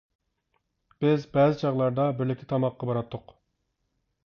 بىز بەزى چاغلاردا بىرلىكتە تاماققا باراتتۇق.